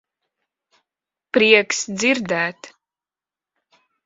Prieks dzirdēt.